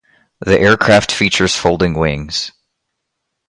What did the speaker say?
The aircraft features folding wings.